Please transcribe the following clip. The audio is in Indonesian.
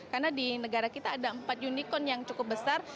karena di negara kita ada empat unicorn yang cukup besar